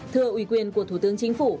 thưa ủy quyền của thủ tướng chính phủ